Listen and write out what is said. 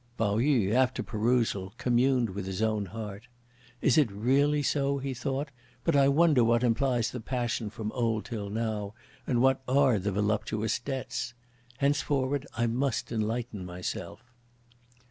Pao yü, after perusal, communed with his own heart. "Is it really so!" he thought, "but I wonder what implies the passion from old till now, and what are the voluptuous debts! Henceforward, I must enlighten myself!"